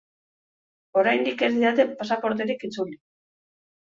Oraindik ez didate pasaporterik itzuli.